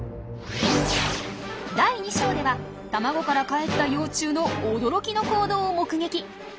第２章では卵からかえった幼虫の驚きの行動を目撃。